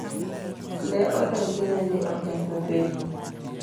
Ne odonjne ni oketho piny.